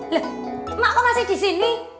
loh mak kok masih disini